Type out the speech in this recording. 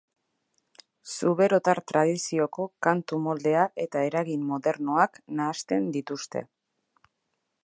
Zuberotar tradizioko kantu moldea eta eragin modernoak nahasten dituzte.